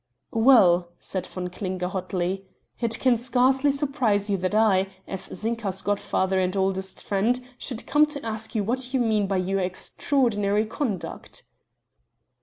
"Well," said Von Klinger hotly, "it can scarcely surprise you that I, as Zinka's god father and oldest friend, should come to ask you what you mean by your extraordinary conduct."